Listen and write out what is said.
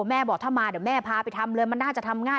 บอกถ้ามาเดี๋ยวแม่พาไปทำเลยมันน่าจะทำง่าย